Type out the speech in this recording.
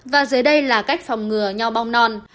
và dưới đây là cách phòng ngừa nho bong non